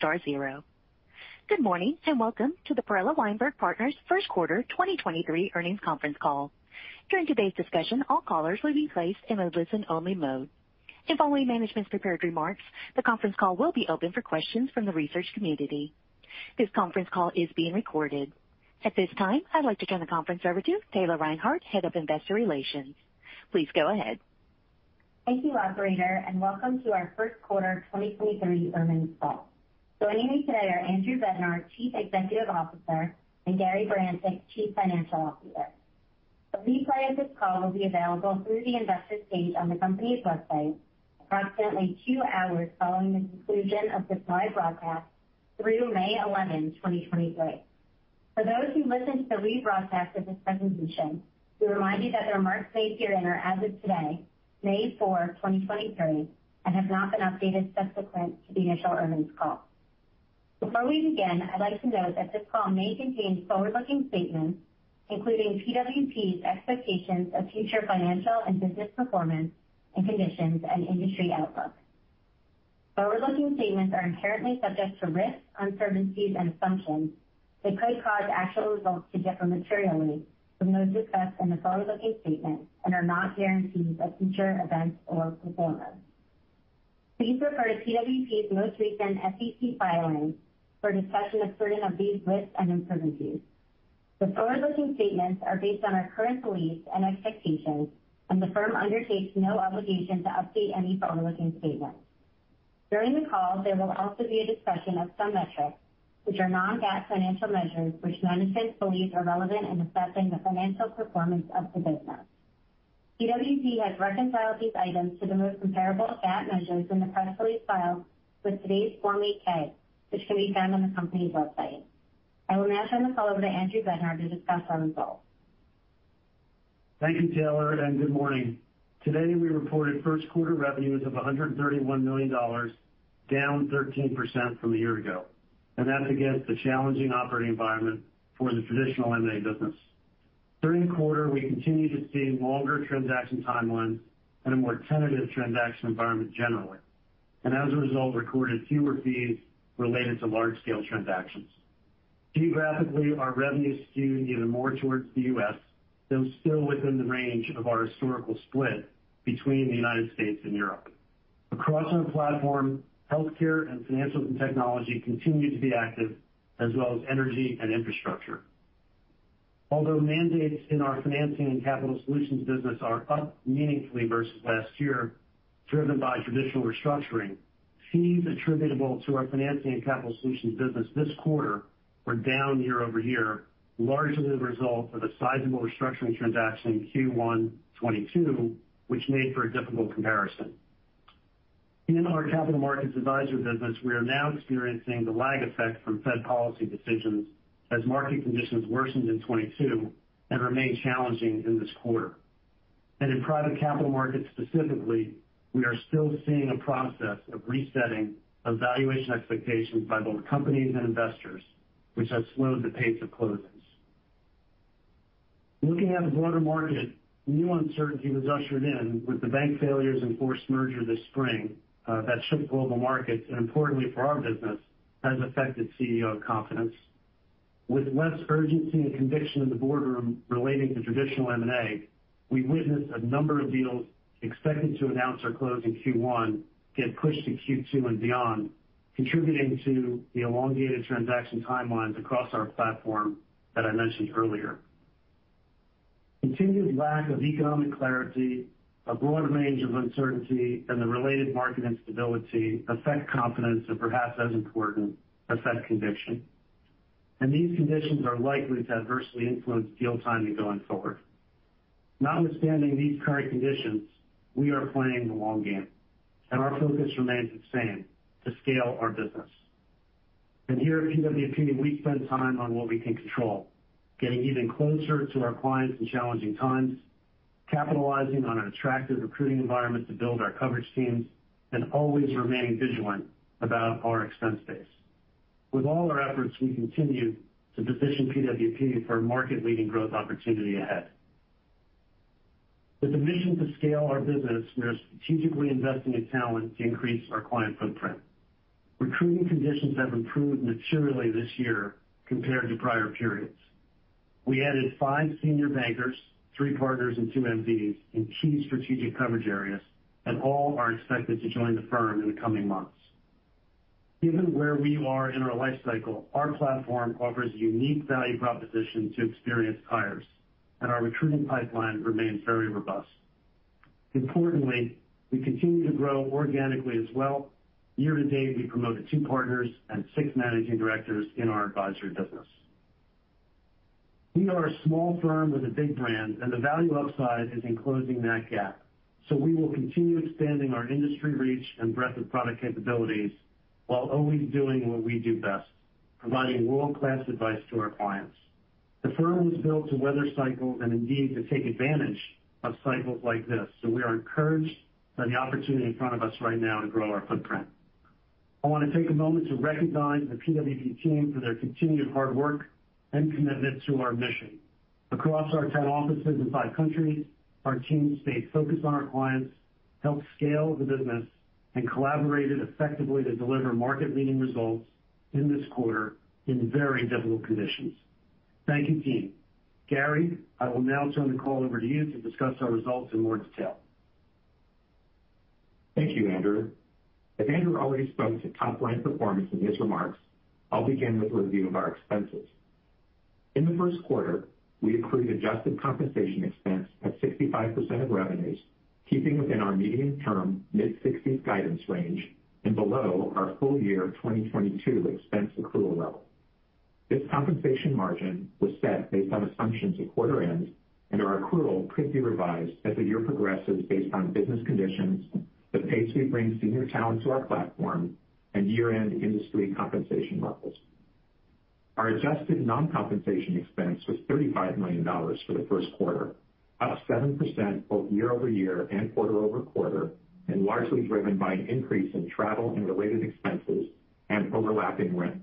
Star zero. Good morning. Welcome to the Perella Weinberg Partners first quarter 2023 earnings conference call. During today's discussion, all callers will be placed in a listen-only mode. Following management's prepared remarks, the conference call will be open for questions from the research community. This conference call is being recorded. At this time, I'd like to turn the conference over to Taylor Reinhardt, Head of Investor Relations. Please go ahead. Thank you, operator. Welcome to our first quarter 2023 earnings call. Joining me today are Andrew Bednar, Chief Executive Officer, and Gary Weinstein, Chief Financial Officer. A replay of this call will be available through the Investor page on the company's website approximately two hours following the conclusion of this live broadcast through May 11, 2023. For those who listen to the rebroadcast of this presentation, we remind you that the remarks made herein are as of today, May 4, 2023, have not been updated subsequent to the initial earnings call. Before we begin, I'd like to note that this call may contain forward-looking statements, including PWP's expectations of future financial and business performance and conditions and industry outlook. Forward-looking statements are inherently subject to risks, uncertainties and assumptions that could cause actual results to differ materially from those discussed in the forward-looking statement and are not guarantees of future events or performance. Please refer to PWP's most recent SEC filings for a discussion of certain of these risks and uncertainties. The forward-looking statements are based on our current beliefs and expectations, and the firm undertakes no obligation to update any forward-looking statement. During the call, there will also be a discussion of some metrics which are non-GAAP financial measures which management believes are relevant in assessing the financial performance of the business. PWP has reconciled these items to the most comparable GAAP measures in the press release filed with today's Form 8-K, which can be found on the company's website. I will now turn the call over to Andrew Bednar to discuss our results. Thank you, Taylor, good morning. Today, we reported first quarter revenues of $131 million, down 13% from a year ago, and that's against a challenging operating environment for the traditional M&A business. During the quarter, we continued to see longer transaction timelines and a more tentative transaction environment generally, and as a result, recorded fewer fees related to large-scale transactions. Geographically, our revenue skewed even more towards the U.S., though still within the range of our historical split between the United States and Europe. Across our platform, healthcare and financial technology continued to be active, as well as energy and infrastructure. Although mandates in our Financing and Capital Solutions business are up meaningfully versus last year, driven by traditional restructuring, fees attributable to our Financing and Capital Solutions business this quarter were down year-over-year, largely the result of a sizable restructuring transaction in Q1 2022, which made for a difficult comparison. In our Capital Markets Advisory business, we are now experiencing the lag effect from Fed policy decisions as market conditions worsened in 2022 and remain challenging in this quarter. In private capital markets specifically, we are still seeing a process of resetting of valuation expectations by both companies and investors, which has slowed the pace of closings. Looking at the broader market, new uncertainty was ushered in with the bank failures and forced merger this spring, that shook global markets, and importantly for our business, has affected CEO confidence. With less urgency and conviction in the boardroom relating to traditional M&A, we witnessed a number of deals expected to announce or close in Q1 get pushed to Q2 and beyond, contributing to the elongated transaction timelines across our platform that I mentioned earlier. Continued lack of economic clarity, a broad range of uncertainty, and the related market instability affect confidence, and perhaps as important, affect conviction. These conditions are likely to adversely influence deal timing going forward. Notwithstanding these current conditions, we are playing the long game, and our focus remains the same, to scale our business. Here at PWP, we spend time on what we can control, getting even closer to our clients in challenging times, capitalizing on an attractive recruiting environment to build our coverage teams, and always remaining vigilant about our expense base. With all our efforts, we continue to position PWP for market-leading growth opportunity ahead. With the mission to scale our business, we are strategically investing in talent to increase our client footprint. Recruiting conditions have improved materially this year compared to prior periods. We added five senior bankers, three partners and two MDs in key strategic coverage areas. All are expected to join the firm in the coming months. Given where we are in our life cycle, our platform offers a unique value proposition to experienced hires. Our recruiting pipeline remains very robust. Importantly, we continue to grow organically as well. Year to date, we promoted two partners and six managing directors in our advisory business. We are a small firm with a big brand. The value upside is in closing that gap. We will continue expanding our industry reach and breadth of product capabilities while always doing what we do best, providing world-class advice to our clients. The firm was built to weather cycles and indeed to take advantage of cycles like this, so we are encouraged by the opportunity in front of us right now to grow our footprint. I want to take a moment to recognize the PWP team for their continued hard work and commitment to our mission. Across our 10 offices in five countries, our teams stayed focused on our clients, helped scale the business, and collaborated effectively to deliver market-leading results in this quarter in very difficult conditions. Thank you, team. Gary, I will now turn the call over to you to discuss our results in more detail. Thank you, Andrew. As Andrew already spoke to top line performance in his remarks, I'll begin with a review of our expenses. In the first quarter, we accrued adjusted compensation expense at 65% of revenues, keeping within our medium-term mid-60s guidance range and below our full year 2022 expense accrual level. This compensation margin was set based on assumptions at quarter end, and our accrual could be revised as the year progresses based on business conditions, the pace we bring senior talent to our platform, and year-end industry compensation levels. Our adjusted non-compensation expense was $35 million for the first quarter, up 7% both year-over-year and quarter-over-quarter, and largely driven by an increase in travel and related expenses and overlapping rent.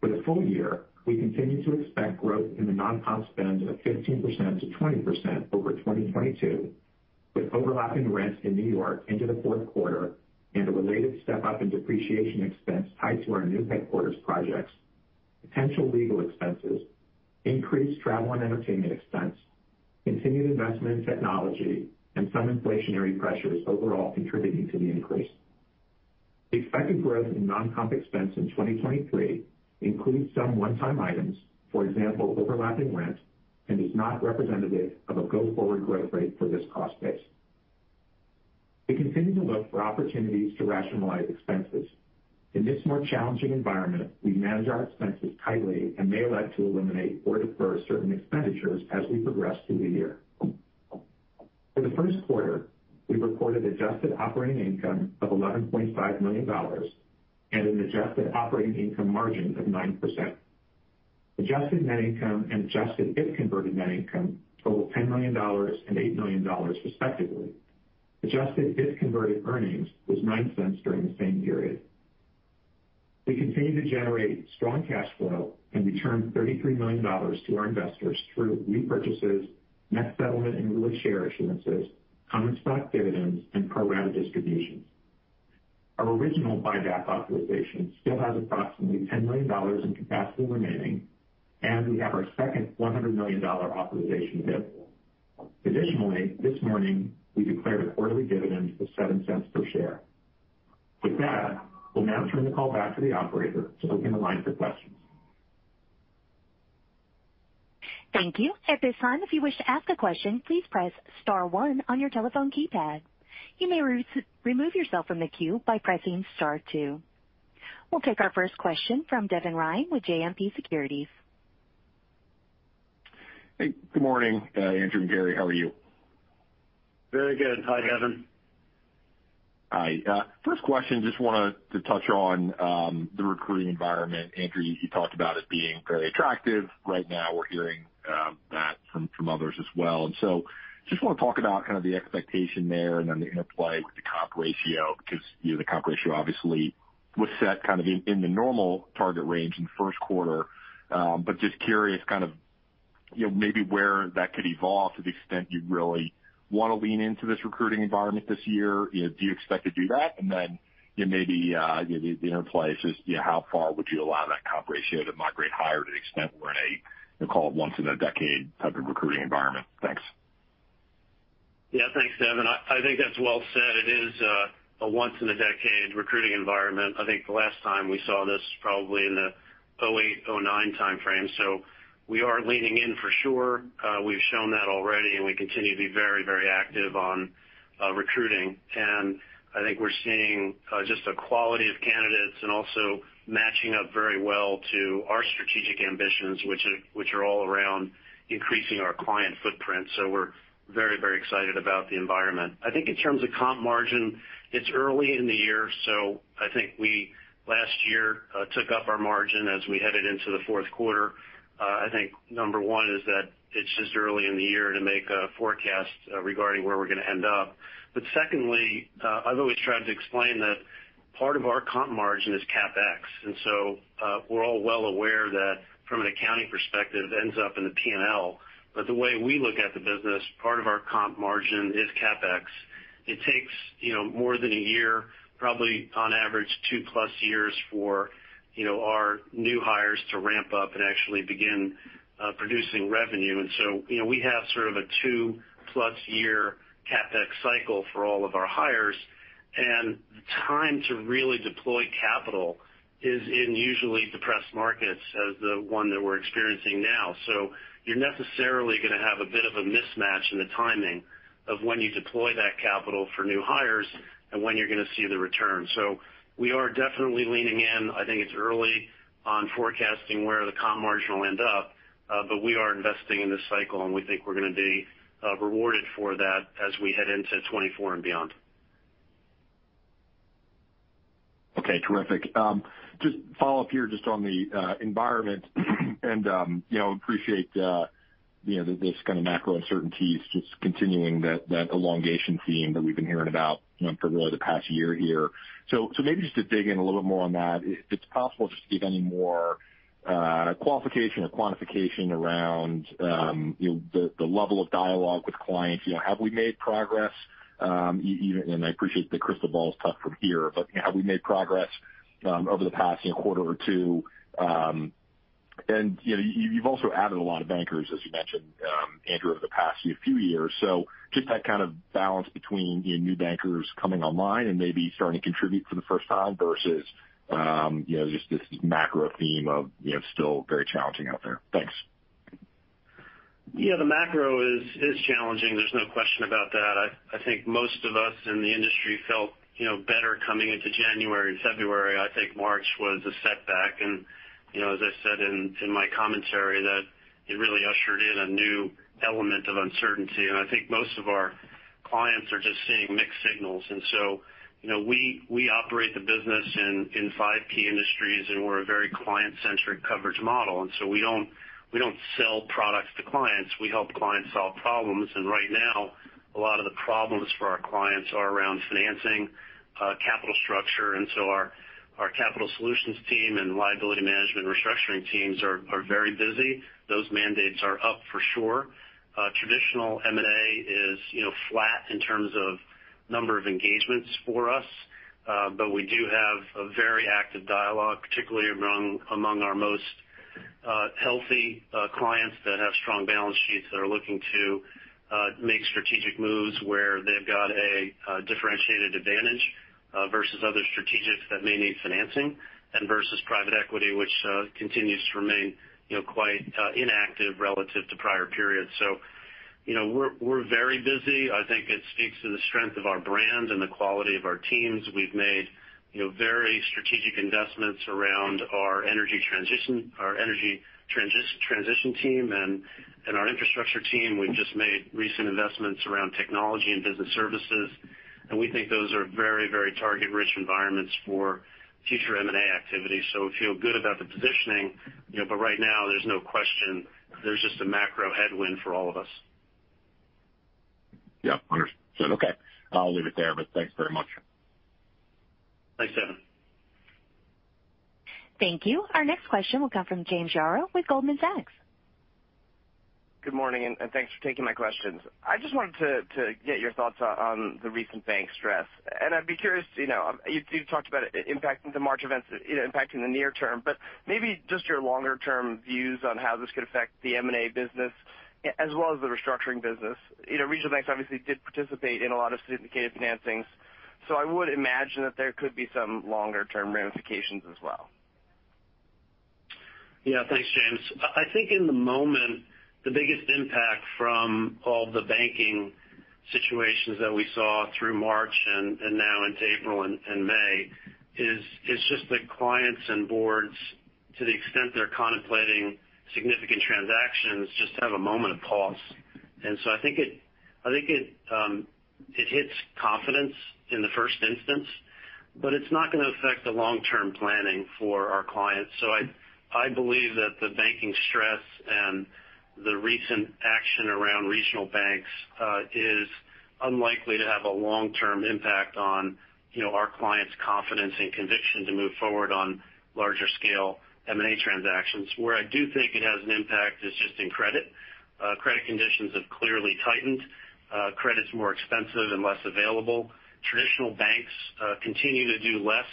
For the full year, we continue to expect growth in the non-comp spend of 15%-20% over 2022, with overlapping rent in New York into the fourth quarter and a related step-up in depreciation expense tied to our new headquarters projects, potential legal expenses, increased travel and entertainment expense, continued investment in technology, and some inflationary pressures overall contributing to the increase. The expected growth in non-comp expense in 2023 includes some one-time items, for example, overlapping rent, and is not representative of a go-forward growth rate for this cost base. We continue to look for opportunities to rationalize expenses. In this more challenging environment, we manage our expenses tightly and may elect to eliminate or defer certain expenditures as we progress through the year. For the first quarter, we reported adjusted operating income of $11.5 million and an adjusted operating income margin of 9%. Adjusted net income and adjusted If-Converted Net Income totaled $10 million and $8 million respectively. Adjusted If-Converted Earnings was $0.09 during the same period. We continue to generate strong cash flow and return $33 million to our investors through repurchases, net settlement and related share issuances, common stock dividends, and program distributions. Our original buyback authorization still has approximately $10 million in capacity remaining. We have our second $100 million authorization available. Additionally, this morning, we declared a quarterly dividend of $0.07 per share. With that, we'll now turn the call back to the operator to open the line for questions. Thank you. At this time, if you wish to ask a question, please press star one on your telephone keypad. You may re-remove yourself from the queue by pressing star two. We'll take our first question from Devin Ryan with JMP Securities. Hey, good morning, Andrew and Gary. How are you? Very good. Hi, Devin. Hi. First question, just wanted to touch on the recruiting environment. Andrew, you talked about it being very attractive. Right now, we're hearing that from others as well. Just wanna talk about kind of the expectation there and then the interplay with the comp ratio because, you know, the comp ratio obviously was set kind of in the normal target range in first quarter. But just curious kind of, you know, maybe where that could evolve to the extent you'd really wanna lean into this recruiting environment this year. You know, do you expect to do that? You know, maybe, you know, the interplay is just, you know, how far would you allow that comp ratio to migrate higher to the extent we're in a, you know, call it once in a decade type of recruiting environment? Thanks. Yeah, thanks, Devin. I think that's well said. It is a once in a decade recruiting environment. I think the last time we saw this probably in the 2008, 2009 timeframe. We are leaning in for sure. We've shown that already, and we continue to be very, very active on recruiting. I think we're seeing just the quality of candidates and also matching up very well to our strategic ambitions, which are all around increasing our client footprint. We're very, very excited about the environment. I think in terms of comp margin, it's early in the year. I think we last year took up our margin as we headed into the fourth quarter. I think number one is that it's just early in the year to make a forecast regarding where we're gonna end up. Secondly, I've always tried to explain that part of our comp margin is CapEx. We're all well aware that from an accounting perspective, it ends up in the P&L. The way we look at the business, part of our comp margin is CapEx. It takes, you know, more than a year, probably on average 2+ years for, you know, our new hires to ramp up and actually begin producing revenue. You know, we have sort of a 2+ year CapEx cycle for all of our hires. The time to really deploy capital is in usually depressed markets as the one that we're experiencing now. You're necessarily gonna have a bit of a mismatch in the timing of when you deploy that capital for new hires and when you're gonna see the return. We are definitely leaning in. I think it's early on forecasting where the comp margin will end up. We are investing in this cycle, and we think we're gonna be rewarded for that as we head into 2024 and beyond. Okay. Terrific. Just follow up here just on the environment and, you know, appreciate, you know, this kind of macro uncertainty is just continuing that elongation theme that we've been hearing about, you know, for really the past year here. Maybe just to dig in a little more on that, if it's possible just to give any more qualification or quantification around, you know, the level of dialogue with clients. You know, have we made progress, and I appreciate the crystal ball's tough from here, but, you know, have we made progress over the past quarter or two? And, you know, you've also added a lot of bankers, as you mentioned, Andrew, over the past few years. Just that kind of balance between new bankers coming online and maybe starting to contribute for the first time versus, you know, just this macro theme of, you know, still very challenging out there. Thanks. Yeah, the macro is challenging. There's no question about that. I think most of us in the industry felt, you know, better coming into January and February. I think March was a setback. You know, as I said in my commentary that it really ushered in a new element of uncertainty. I think most of our clients are just seeing mixed signals. You know, we operate the business in five key industries, and we're a very client-centric coverage model. We don't sell products to clients. We help clients solve problems. Right now, a lot of the problems for our clients are around financing, capital structure. Our Capital Solutions team and liability management restructuring teams are very busy. Those mandates are up for sure. Traditional M&A is, you know, flat in terms of number of engagements for us. But we do have a very active dialogue, particularly among our most healthy clients that have strong balance sheets that are looking to make strategic moves where they've got a differentiated advantage versus other strategics that may need financing and versus private equity, which continues to remain, you know, quite inactive relative to prior periods. You know, we're very busy. I think it speaks to the strength of our brand and the quality of our teams. We've made, you know, very strategic investments around our energy transition team and our infrastructure team. We've just made recent investments around technology and business services, and we think those are very, very target-rich environments for future M&A activity. We feel good about the positioning, you know. Right now, there's no question, there's just a macro headwind for all of us. Yeah. Understood. Okay. I'll leave it there, but thanks very much. Thanks, Devin. Thank you. Our next question will come from James Yaro with Goldman Sachs. Good morning. Thanks for taking my questions. I just wanted to get your thoughts on the recent bank stress. I'd be curious, you know, you've talked about impact, the March events impacting the near term, but maybe just your longer term views on how this could affect the M&A business as well as the restructuring business. You know, regional banks obviously did participate in a lot of syndicated financings, I would imagine that there could be some longer term ramifications as well. Yeah. Thanks, James. I think in the moment, the biggest impact from all the banking situations that we saw through March and now into April and May is just that clients and boards, to the extent they're contemplating significant transactions, just have a moment of pause. I think it, I think it hits confidence in the first instance, but it's not gonna affect the long-term planning for our clients. I believe that the banking stress and the recent action around regional banks is unlikely to have a long-term impact on, you know, our clients' confidence and conviction to move forward on larger scale M&A transactions. Where I do think it has an impact is just in credit. Credit conditions have clearly tightened. Credit's more expensive and less available. Traditional banks continue to do less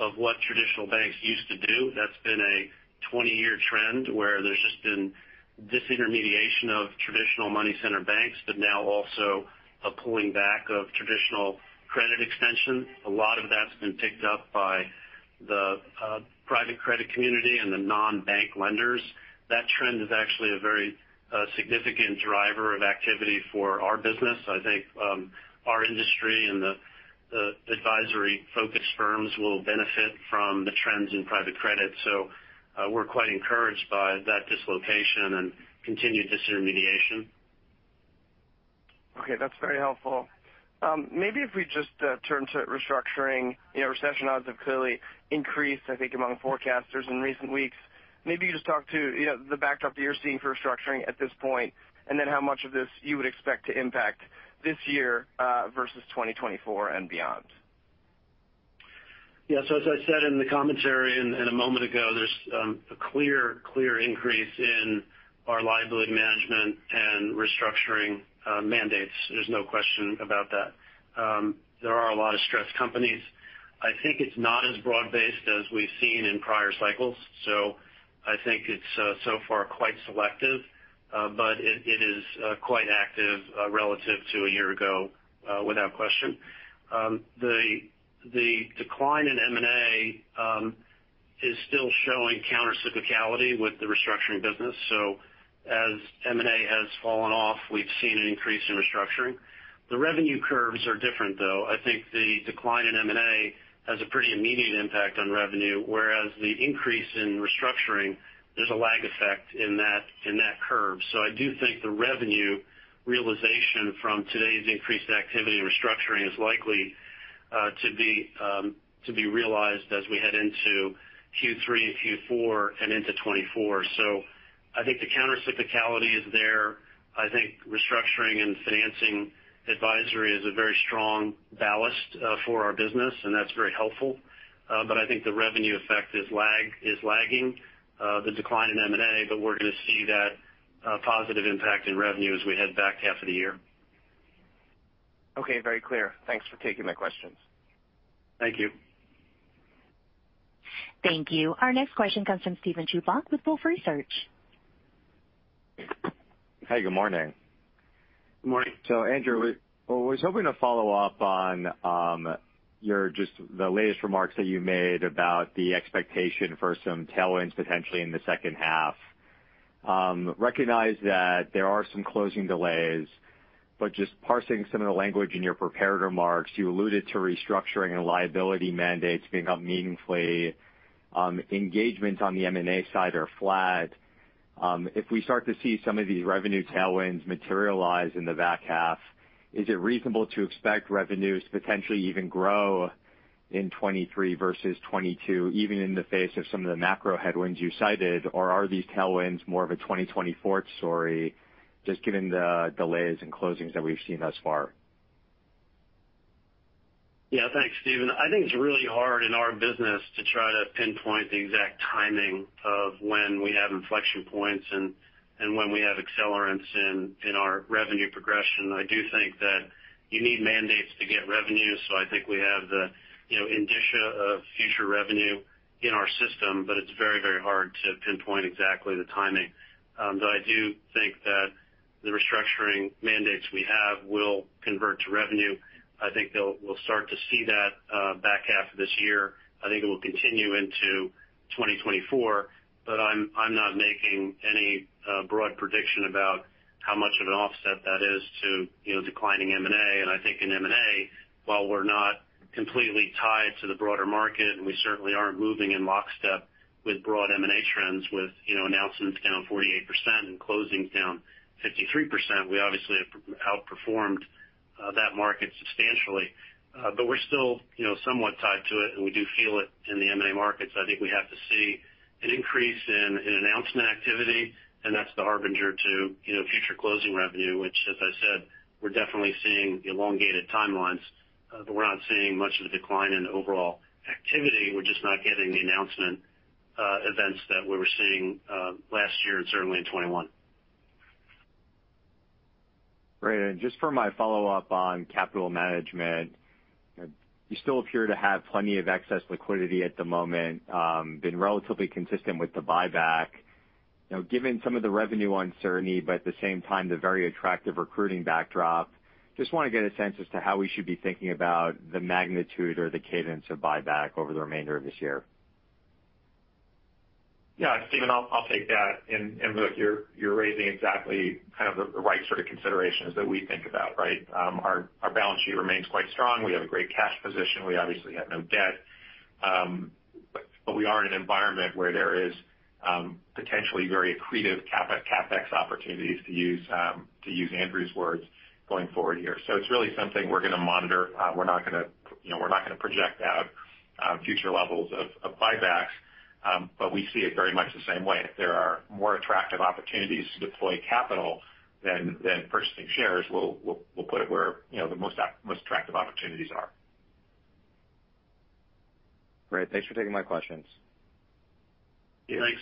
of what traditional banks used to do. That's been a 20-year trend where there's just been disintermediation of traditional money center banks, but now also a pulling back of traditional credit extension. A lot of that's been picked up by the private credit community and the non-bank lenders. That trend is actually a very significant driver of activity for our business. I think our industry and the advisory-focused firms will benefit from the trends in private credit. We're quite encouraged by that dislocation and continued disintermediation. That's very helpful. Maybe if we just turn to restructuring. You know, recession odds have clearly increased, I think, among forecasters in recent weeks. Maybe you just talk to, you know, the backdrop that you're seeing for restructuring at this point, and then how much of this you would expect to impact this year versus 2024 and beyond. As I said in the commentary and a moment ago, there's a clear increase in our liability management and restructuring mandates. There's no question about that. There are a lot of stressed companies. I think it's not as broad-based as we've seen in prior cycles. I think it's so far quite selective, but it is quite active relative to a year ago, without question. The decline in M&A is still showing countercyclicality with the restructuring business. As M&A has fallen off, we've seen an increase in restructuring. The revenue curves are different, though. I think the decline in M&A has a pretty immediate impact on revenue, whereas the increase in restructuring, there's a lag effect in that curve. I do think the revenue realization from today's increased activity in restructuring is likely to be realized as we head into Q3 and Q4 and into 2024. I think the countercyclicality is there. I think restructuring and Financing and Capital Solutions is a very strong ballast for our business, and that's very helpful. I think the revenue effect is lagging the decline in M&A, but we're gonna see that a positive impact in revenue as we head back half of the year. Okay, very clear. Thanks for taking my questions. Thank you. Thank you. Our next question comes from Steven Chubak with Wolfe Research. Hey, good morning. Good morning. Andrew, I was hoping to follow up on your just the latest remarks that you made about the expectation for some tailwinds potentially in the second half. Recognize that there are some closing delays, but just parsing some of the language in your prepared remarks, you alluded to restructuring and liability mandates being up meaningfully. Engagements on the M&A side are flat. If we start to see some of these revenue tailwinds materialize in the back half, is it reasonable to expect revenues to potentially even grow in 2023 versus 2022, even in the face of some of the macro headwinds you cited? Or are these tailwinds more of a 2024 story just given the delays in closings that we've seen thus far? Thanks, Steven. I think it's really hard in our business to try to pinpoint the exact timing of when we have inflection points and when we have accelerants in our revenue progression. I do think that you need mandates to get revenue. I think we have the, you know, indicia of future revenue in our system, but it's very hard to pinpoint exactly the timing. Though I do think that the restructuring mandates we have will convert to revenue. I think we'll start to see that back half of this year. I think it will continue into 2024, but I'm not making any broad prediction about how much of an offset that is to, you know, declining M&A. I think in M&A, while we're not completely tied to the broader market, and we certainly aren't moving in lockstep with broad M&A trends with, you know, announcements down 48% and closings down 53%, we obviously have outperformed that market substantially. But we're still, you know, somewhat tied to it, and we do feel it in the M&A markets. I think we have to see an increase in announcement activity, and that's the harbinger to, you know, future closing revenue, which as I said, we're definitely seeing elongated timelines, but we're not seeing much of a decline in overall activity. We're just not getting the announcement events that we were seeing last year and certainly in 2021. Great. Just for my follow-up on capital management, you still appear to have plenty of excess liquidity at the moment, been relatively consistent with the buyback. You know, given some of the revenue uncertainty, but at the same time, the very attractive recruiting backdrop, just wanna get a sense as to how we should be thinking about the magnitude or the cadence of buyback over the remainder of this year? Yeah, Steven, I'll take that. Look, you're raising exactly kind of the right sort of considerations that we think about, right? Our balance sheet remains quite strong. We have a great cash position. We obviously have no debt. We are in an environment where there is potentially very accretive CapEx opportunities to use Andrew's words going forward here. It's really something we're gonna monitor. We're not gonna, you know, we're not gonna project out future levels of buybacks. We see it very much the same way. If there are more attractive opportunities to deploy capital than purchasing shares, we'll put it where, you know, the most attractive opportunities are. Great. Thanks for taking my questions. Yeah, thanks.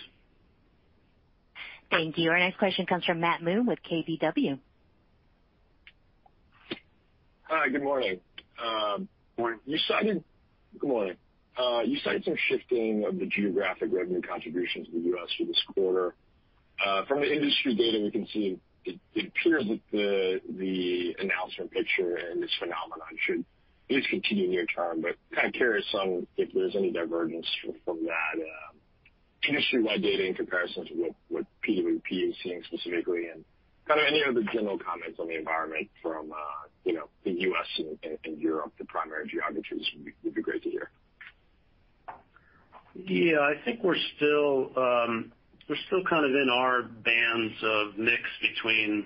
Thank you. Our next question comes from Matt Moon with KBW. Hi. Good morning. Good morning. You cited. Good morning. You cited some shifting of the geographic revenue contributions in the U.S. for this quarter. From an industry data, we can see it appears that the announcement picture and this phenomenon should at least continue near term, but kind of curious on if there's any. divergence from that industry-wide data in comparison to what PWP is seeing specifically and kind of any other general comments on the environment from, you know, the US and Europe, the primary geographies would be great to hear. Yeah. I think we're still, we're still kind of in our bands of mix between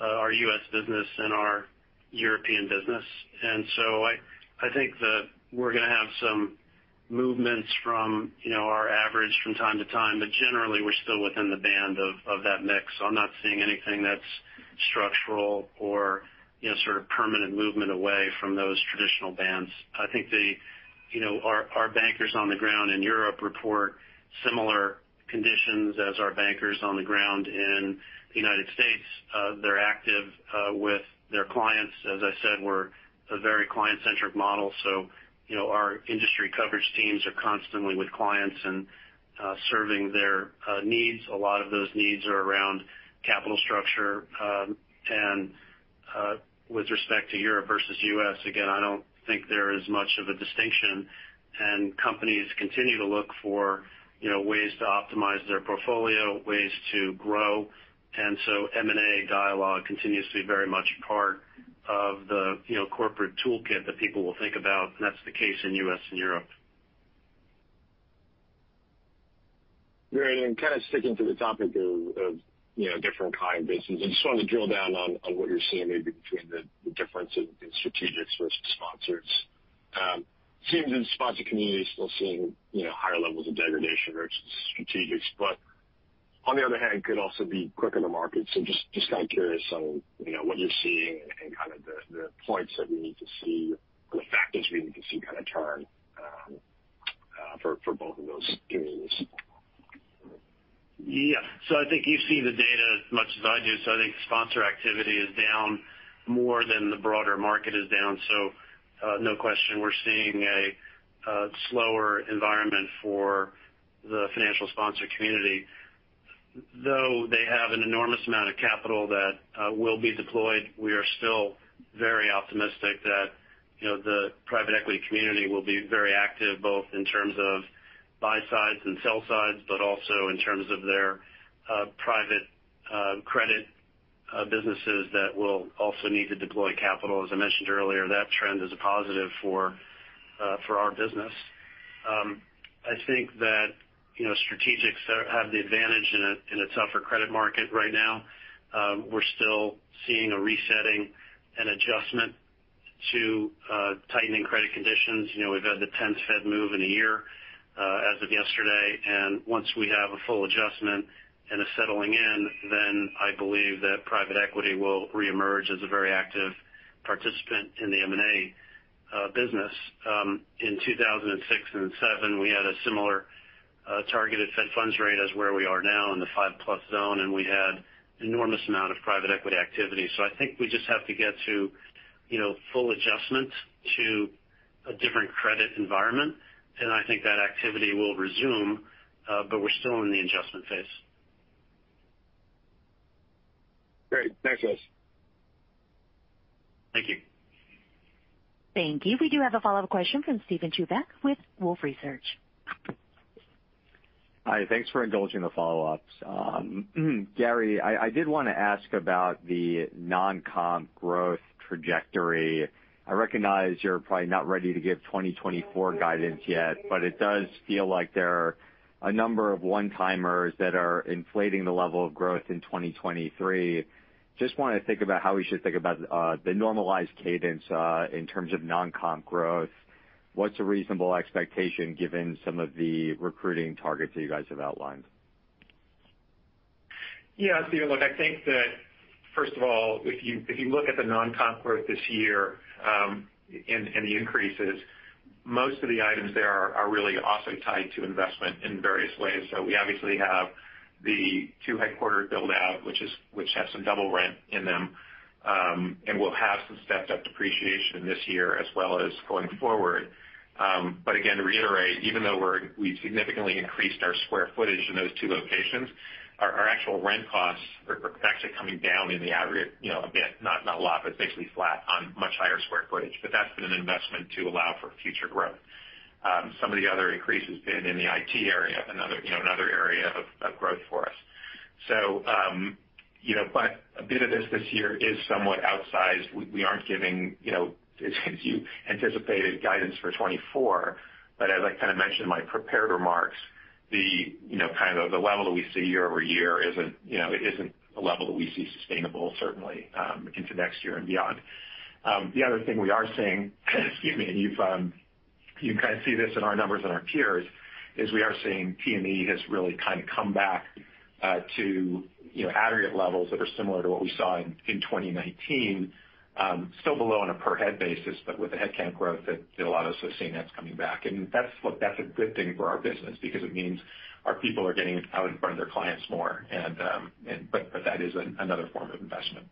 our U.S. business and our European business. I think that we're gonna have some movements from, you know, our average from time to time, but generally, we're still within the band of that mix. I'm not seeing anything that's structural or, you know, sort of permanent movement away from those traditional bands. I think You know, our bankers on the ground in Europe report similar conditions as our bankers on the ground in the United States. They're active, with their clients. As I said, we're a very client-centric model, so, you know, our industry coverage teams are constantly with clients and serving their needs. A lot of those needs are around capital structure, and with respect to Europe versus U.S., again, I don't think there is much of a distinction. Companies continue to look for, you know, ways to optimize their portfolio, ways to grow. So M&A dialogue continues to be very much a part of the, you know, corporate toolkit that people will think about, and that's the case in U.S. and Europe. Great. Kind of sticking to the topic of, you know, different client bases, I just wanted to drill down on what you're seeing maybe between the difference in strategics versus sponsors. It seems the sponsor community is still seeing, you know, higher levels of degradation versus strategics, but on the other hand, could also be quicker to market. Just kind of curious on, you know, what you're seeing and kind of the points that we need to see or the factors we need to see kind of turn. For both of those communities. Yeah. I think you see the data as much as I do. I think sponsor activity is down more than the broader market is down. No question, we're seeing a slower environment for the financial sponsor community. Though they have an enormous amount of capital that will be deployed, we are still very optimistic that, you know, the private equity community will be very active, both in terms of buy sides and sell sides, but also in terms of their private credit businesses that will also need to deploy capital. As I mentioned earlier, that trend is a positive for our business. I think that, you know, strategics have the advantage in a tougher credit market right now. We're still seeing a resetting, an adjustment to tightening credit conditions. You know, we've had the 10th Fed move in a year, as of yesterday. Once we have a full adjustment and a settling in, then I believe that private equity will reemerge as a very active participant in the M&A business. In 2006 and 2007, we had a similar targeted federal funds rate as where we are now in the 5+ zone, and we had enormous amount of private equity activity. I think we just have to get to, you know, full adjustment to a different credit environment. I think that activity will resume, but we're still in the adjustment phase. Great. Thanks, guys. Thank you. Thank you. We do have a follow-up question from Steven Chubak with Wolfe Research. Hi. Thanks for indulging the follow-ups. Gary, I did wanna ask about the non-comp growth trajectory. I recognize you're probably not ready to give 2024 guidance yet, but it does feel like there are a number of one-timers that are inflating the level of growth in 2023. Just wanna think about how we should think about the normalized cadence in terms of non-comp growth. What's a reasonable expectation given some of the recruiting targets that you guys have outlined? Steven, look, I think that, first of all, if you look at the non-comp growth this year, and the increases, most of the items there are really also tied to investment in various ways. We obviously have the 2 headquarter build-out, which has some double rent in them, and we'll have some stepped-up depreciation this year as well as going forward. Again, to reiterate, even though we significantly increased our square footage in those two locations, our actual rent costs are actually coming down in the aggregate, you know, a bit, not a lot, but it's basically flat on much higher square footage. That's been an investment to allow for future growth. Some of the other increases have been in the IT area, another, you know, another area of growth for us. You know, a bit of this year is somewhat outsized. We aren't giving, you know, as you anticipated, guidance for 2024. As I kinda mentioned in my prepared remarks, the, you know, kind of the level that we see year-over-year isn't, you know, it isn't a level that we see sustainable certainly into next year and beyond. The other thing we are seeing, excuse me, and you've, you can kinda see this in our numbers and our peers, is we are seeing PME has really kinda come back to, you know, aggregate levels that are similar to what we saw in 2019. Still below on a per head basis, but with the headcount growth that a lot of us have seen, that's coming back. That's, look, that's a good thing for our business because it means our people are getting out in front of their clients more. That is another form of investment.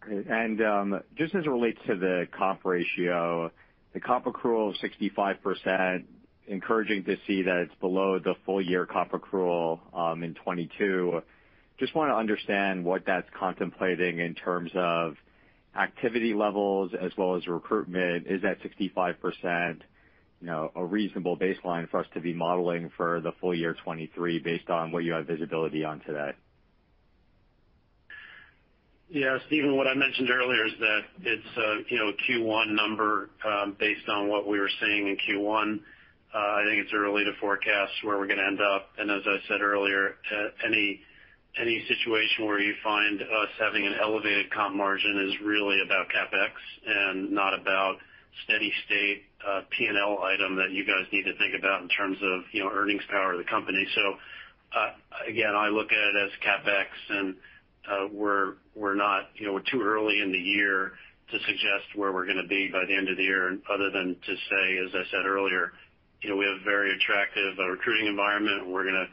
Great. Just as it relates to the comp ratio, the comp accrual of 65%, encouraging to see that it's below the full year comp accrual in 2022. Just wanna understand what that's contemplating in terms of activity levels as well as recruitment. Is that 65%, you know, a reasonable baseline for us to be modeling for the full year 2023 based on what you have visibility on today? Yeah, Steven, what I mentioned earlier is that it's a, you know, Q1 number, based on what we were seeing in Q1. I think it's early to forecast where we're gonna end up. As I said earlier, any situation where you find us having an elevated comp margin is really about CapEx and not about steady state P&L item that you guys need to think about in terms of, you know, earnings power of the company. Again, I look at it as CapEx, and we're not, you know, we're too early in the year to suggest where we're gonna be by the end of the year other than to say, as I said earlier, you know, we have a very attractive recruiting environment, and we're gonna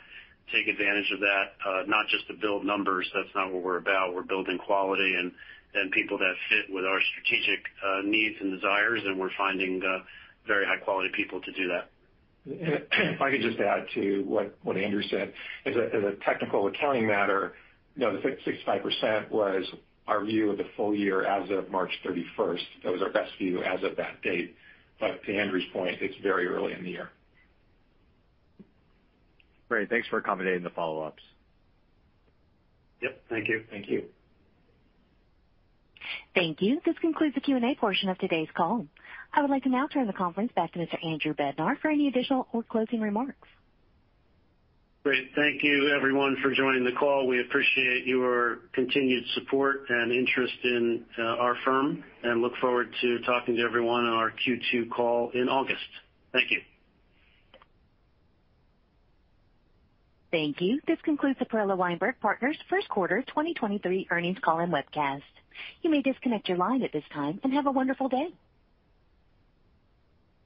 take advantage of that, not just to build numbers. That's not what we're about. We're building quality and then people that fit with our strategic needs and desires, and we're finding very high quality people to do that. If I could just add to what Andrew said. As a technical accounting matter, you know, the 65% was our view of the full year as of March 31st. That was our best view as of that date. To Andrew's point, it's very early in the year. Great. Thanks for accommodating the follow-ups. Yep. Thank you. Thank you. Thank you. This concludes the Q&A portion of today's call. I would like to now turn the conference back to Mr. Andrew Bednar for any additional or closing remarks. Great. Thank you everyone for joining the call. We appreciate your continued support and interest in our firm, and look forward to talking to everyone on our Q2 call in August. Thank you. Thank you. This concludes the Perella Weinberg Partners first quarter 2023 earnings call and webcast. You may disconnect your line at this time, and have a wonderful day.